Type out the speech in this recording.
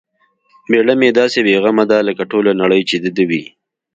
میږه مې داسې بې غمه ده لکه ټوله نړۍ چې د دې وي.